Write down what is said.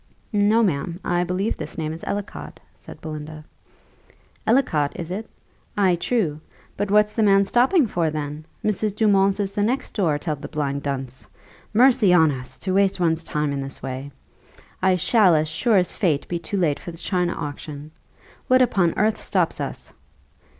"No, ma'am, I believe this name is Ellicot," said Belinda. "Ellicot, is it? Ay, true. But what's the man stopping for, then? Mrs. Dumont's is the next door, tell the blind dunce. Mercy on us! To waste one's time in this way! I shall, as sure as fate, be too late for the china auction. What upon earth stops us?"